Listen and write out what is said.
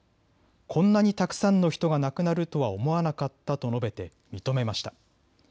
こんなにたくさんの人が亡くなるとは思わなかったと述べて認めました。